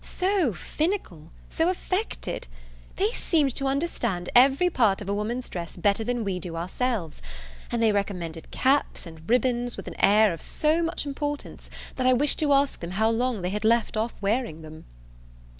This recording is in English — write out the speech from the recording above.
so finical, so affected! they seemed to understand every part of a woman's dress better than we do ourselves; and they recommended caps and ribbands with an air of so much importance, that I wished to ask them how long they had left off wearing them.